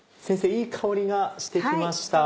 いい香りがして来ました。